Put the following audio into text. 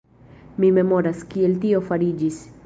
Mi memoras, kiel tio fariĝis.